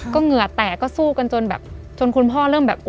ก็เหงื่อแตกก็สู้กันจนแบบจนคุณพ่อเริ่มแบบ